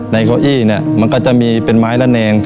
ในเก้าอี้มันก็จะมีเป็นไม้ระแนง